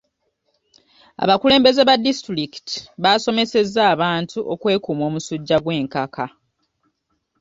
Abakulembeze ba disitulikiti baasomesezza abantu okwekuuma omusujja gw'enkaka.